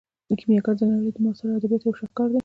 کیمیاګر د نړۍ د معاصرو ادبیاتو یو شاهکار دی.